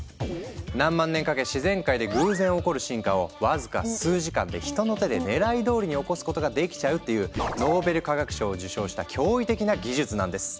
何万年かけ自然界で偶然起こる進化をわずか数時間で人の手で狙い通りに起こすことができちゃうっていうノーベル化学賞を受賞した驚異的な技術なんです。